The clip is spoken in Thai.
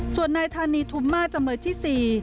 ส่วนนายธานีทุมมาจำเลยที่๔